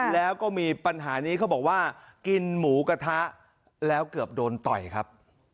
แล้วก็มีปัญหานี้เขาบอกว่ากินหมูกระทะแล้วเกือบโดนต่อยครับ